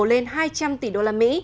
lên hai trăm linh tỷ đô la mỹ